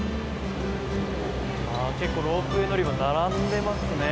結構、ロープウェー乗り場並んでいますね。